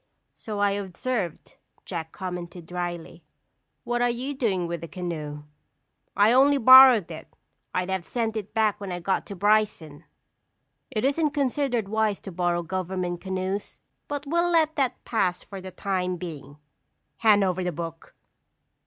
"So I observe," Jack commented dryly. "What are you doing with the canoe?" "I only borrowed it. I'd have sent it back when I got to Bryson." "It isn't considered wise to borrow government canoes. But we'll let that pass for the time being. Hand over the book!"